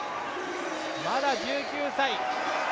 まだ１９歳。